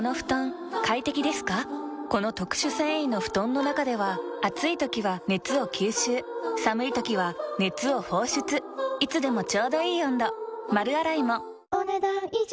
この特殊繊維の布団の中では暑い時は熱を吸収寒い時は熱を放出いつでもちょうどいい温度丸洗いもお、ねだん以上。